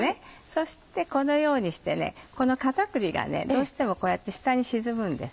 そしてこのようにしてこの片栗がどうしてもこうやって下に沈むんです。